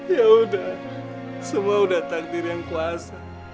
ya udah semua udah takdir yang kuasa